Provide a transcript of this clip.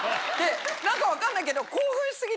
何か分かんないけど。